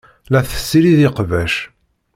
La tessirid iqbac.